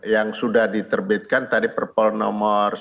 yang sudah diterbitkan tadi perpol nomor sepuluh